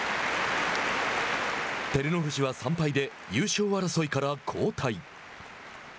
照ノ富士は３敗で優勝争いから後退。